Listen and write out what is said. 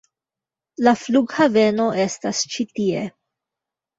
La flughaveno estas ĉi tie.